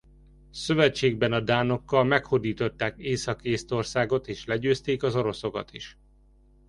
Szövetségben a dánokkal meghódították Észak-Észtországot és legyőzték az oroszokat is.